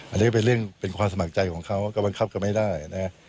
อันนี้ก็เป็นเรื่องเป็นความสมัครใจของเขาก็บังคับกันไม่ได้นะ